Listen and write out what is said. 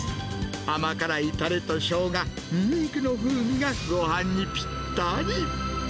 甘辛いたれとショウガ、ニンニクの風味がごはんにぴったり。